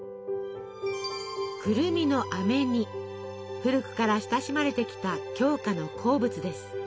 古くから親しまれてきた鏡花の好物です。